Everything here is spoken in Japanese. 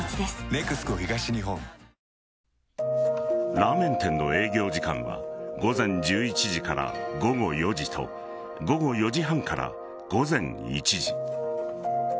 ラーメン店の営業時間は午前１１時から午後４時と午後４時半から午前１時。